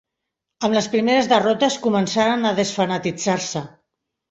Amb les primeres derrotes, començaren a desfanatitzar-se.